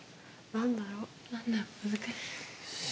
何だろう難しい。